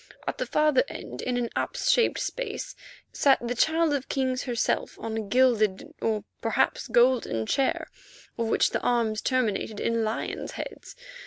At the farther end, in an apse shaped space, sat the Child of Kings herself on a gilded or perhaps a golden chair of which the arms terminated in lions' heads.